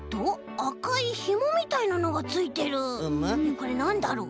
これなんだろう？